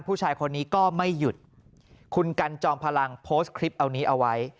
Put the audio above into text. ผู้ชายคนนี้ก็ไม่หยุดคุณกันจอมพลังโพสต์คลิปเอานี้เอาไว้